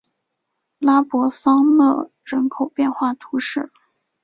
拉博桑讷人口变化图示